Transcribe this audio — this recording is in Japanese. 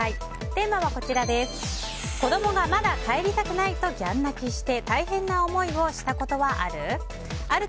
テーマは子供がまだ帰りたくない！とギャン泣きして大変な思いをしたことはある？